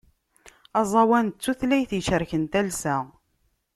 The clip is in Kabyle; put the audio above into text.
Aẓawan d tutlayt icerken talsa.